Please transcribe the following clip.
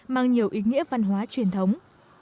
mang nhiều ý nghĩa văn hóa truyền thống